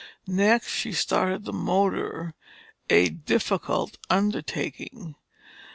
Next, she started the motor, a difficult undertaking.